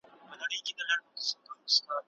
نظریه باید په عمل بدله سي.